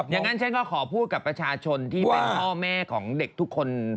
อย่างนั้นฉันก็ขอพูดกับประชาชนที่เป็นพ่อแม่ของเด็กทุกคน